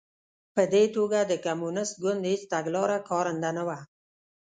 په دې توګه د کمونېست ګوند هېڅ تګلاره کارنده نه وه